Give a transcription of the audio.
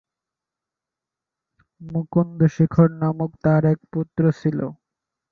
মুকুন্দ শেখর নামক তার এক পুত্র ছিল।